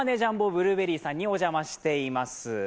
ブルーベリーさんにお邪魔しています。